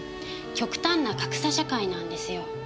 極端な格差社会なんですよ。